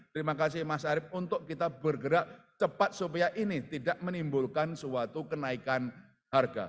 terima kasih mas arief untuk kita bergerak cepat supaya ini tidak menimbulkan suatu kenaikan harga